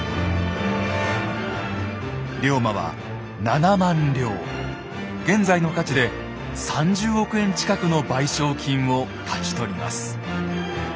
龍馬は７万両現在の価値で３０億円近くの賠償金を勝ち取ります。